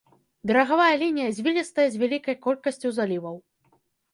Берагавая лінія звілістая з вялікай колькасцю заліваў.